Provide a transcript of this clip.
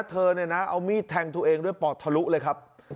เธอเนี่ยนะเอามีดแทงตัวเองด้วยปอดทะลุเลยครับ